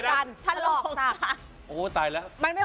เดี๋ยว